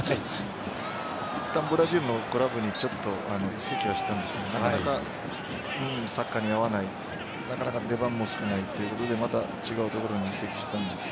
いったんブラジルのクラブに移籍はしたんですがなかなかサッカーに合わない出番も少ないということでまた違うところに移籍したんです。